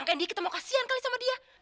dedi kita mau kasihan sama dia